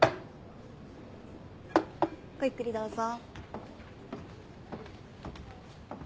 ごゆっくりどうぞ。